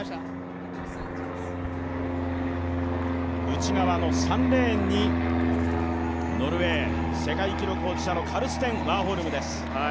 内側の３レーンにノルウェー世界記録保持者のカルステン・ワーホルムです。